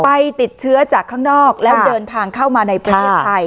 ไปติดเชื้อจากข้างนอกแล้วเดินทางเข้ามาในประเทศไทย